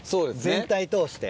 全体通して。